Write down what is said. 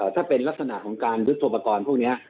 ถ้าเป็นลักษณะของการยึดตัวอุปกรณ์พวกนี้